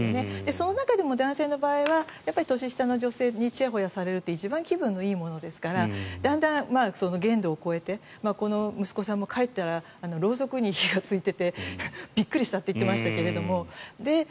その中でも男性の場合は年下の女性にちやほやされるって一番気分がいいものですからだんだん限度を超えてこの息子さんも帰ったらろうそくに火がついててびっくりしたと言っていましたが。